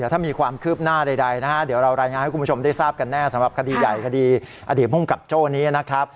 ถ้ามีความคืบหน้าใดนะฮะเดี๋ยวเรารายงานให้คุณผู้ชมได้ทราบกันแน่สำหรับคดีใหญ่คดีอดีตภูมิกับโจ้นี้นะครับ